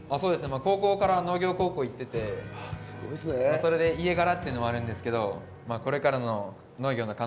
高校から農業高校行っててそれで家柄っていうのもあるんですけどこれからのなるほど。